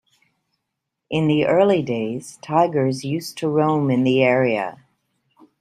In the early days, tigers used to roam in the area.